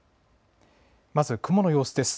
まず雲の様子です。